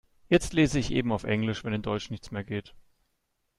Jetzt lese ich eben auf Englisch, wenn in Deutsch nichts mehr geht.